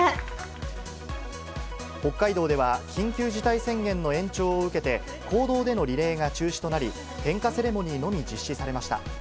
北海道では、緊急事態宣言の延長を受けて、公道でのリレーが中止となり、点火セレモニーのみ実施されました。